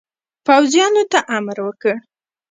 پوځیانو ته امر وکړ.